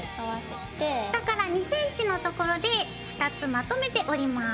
下から２ｃｍの所で２つまとめて折ります。